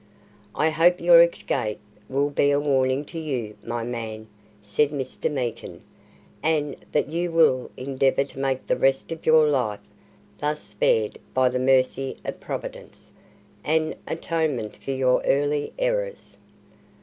"I hope your escape will be a warning to you, my man," said Mr. Meekin, "and that you will endeavour to make the rest of your life, thus spared by the mercy of Providence, an atonement for your early errors."